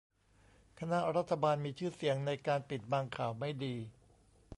คณะรัฐบาลมีชื่อเสียงในการปิดบังข่าวไม่ดี